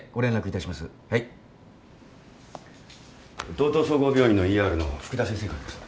道東総合病院のＥＲの福田先生からでした。